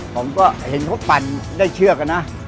ผมก็เห็นเขาปั่นได้เชือกอะนะ